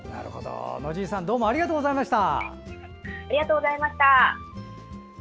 野尻さんどうもありがとうございました。